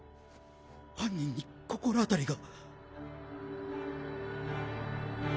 犯人に心当たりが？